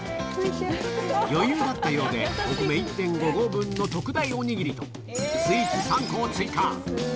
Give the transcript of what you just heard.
余裕があったようで、お米１．５合分の特大おにぎりと、スイーツ３個を追加。